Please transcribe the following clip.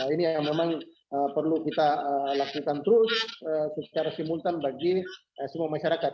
ini yang memang perlu kita lakukan terus secara simultan bagi semua masyarakat